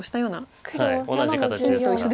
同じ形ですから。